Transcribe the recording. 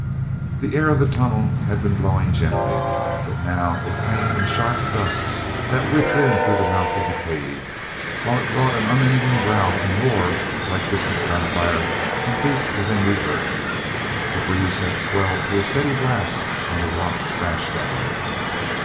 he air of the tunnel had been blowing gently, but now it came in sharp gusts that whipped in through the mouth of the cave, while it brought an unending growl and roar like distant gunfire from deep within the earth. The breeze had swelled to a steady blast when the rock crashed down.